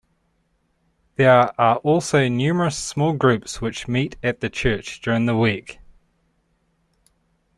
There are also numerous small groups which meet at the church during the week.